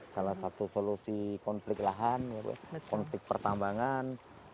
salah satu solusi konflik lahan konflik pertambangan